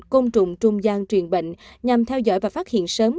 công trụng trung gian truyền bệnh nhằm theo dõi và phát hiện sớm